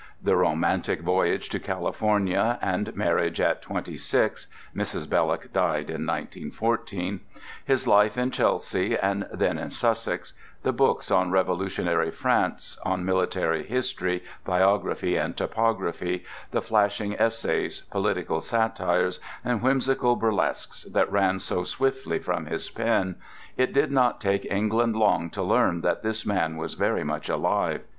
The romantic voyage to California, and marriage at twenty six (Mrs. Belloc died in 1914); his life in Chelsea and then in Sussex; the books on Revolutionary France, on military history, biography and topography; the flashing essays, political satires, and whimsical burlesques that ran so swiftly from his pen—it did not take England long to learn that this man was very much alive.